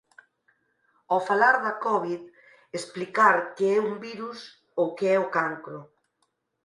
Ao falar da covid explicar que é un virus, ou que é o cancro.